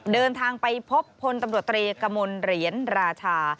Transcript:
เดินทางไปพบพลตำรวจตรีกมลเหรียญราชา